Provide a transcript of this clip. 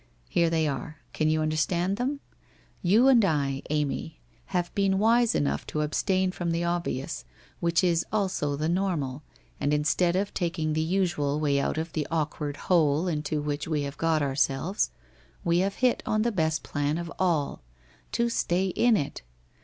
Here they are. Can you understand them? You and I, Amy, havo been wise enough to abstain from the obvious, which is also the normal, and instead of taking the usual way out of tbe awkward bob into which we bad got ourselves, we have hit on the best plan of it all — to stay in it!